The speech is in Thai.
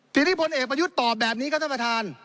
ทีนี้บนเอกมันยู่ตอบแบบนี้ครับท่านประทาน